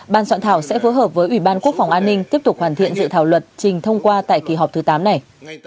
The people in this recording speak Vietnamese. ban soạn thảo sẽ phối hợp với ủy ban quốc phòng an ninh tiếp tục hoàn thiện dự thảo luật trình thông qua tại kỳ họp thứ tám này